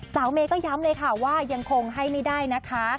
เมย์ก็ย้ำเลยค่ะว่ายังคงให้ไม่ได้นะคะ